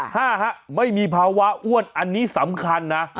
ห้าฮะไม่มีภาวะอ้วนอันนี้สำคัญนะ